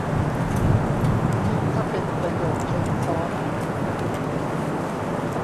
ยิ่งถ้าเป็นประโยคเชิงซ้อน